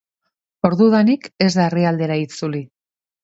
Ordudanik ez da herrialdera itzuli.